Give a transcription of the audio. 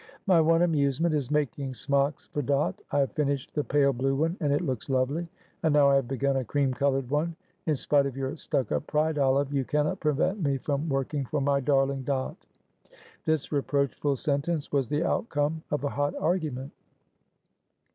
"My one amusement is making smocks for Dot. I have finished the pale blue one and it looks lovely, and now I have begun a cream coloured one; in spite of your stuck up pride, Olive, you cannot prevent me from working for my darling Dot." This reproachful sentence was the outcome of a hot argument.